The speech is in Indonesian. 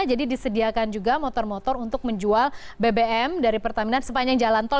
jadi disediakan juga motor motor untuk menjual bbm dari pertamina sepanjang jalan tol